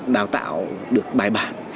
đào tạo được bài bản